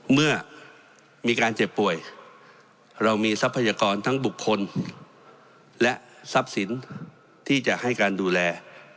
เมื่อมีการเจ็บป่วยเรามีทรัพยากรทั้งบุคคลและทรัพย์สินที่จะให้การดูแล